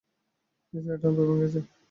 এ ছাড়া ডান পা ভেঙে যায়।